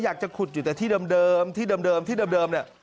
อยากจะขุดอยู่แต่ที่เดิมที่เดิมที่เดิมเนี่ย